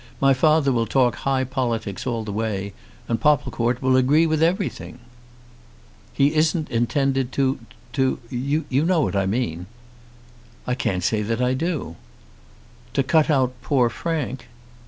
My father will talk high politics all the way, and Popplecourt will agree with everything." "He isn't intended to to ? You know what I mean." "I can't say that I do." "To cut out poor Frank."